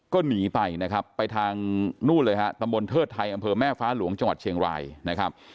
ก็หนีไปนะครับไปทางนู่นเลยฮะตำบลเทิดไทยอำเภอแม่ฟ้าหลวงจังหวัดเชียงรายนะครับ